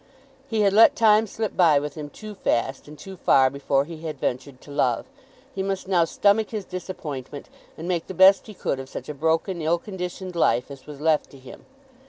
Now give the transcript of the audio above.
He had let time slip by with him too fast and too far before he had ventured to love. He must now stomach his disappointment, and make the best he could of such a broken, ill conditioned life as was left to him.